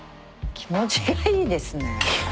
気持ちいいっすね。